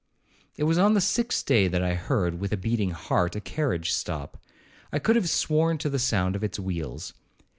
'It was on the sixth day that I heard, with a beating heart, a carriage stop. I could have sworn to the sound of its wheels.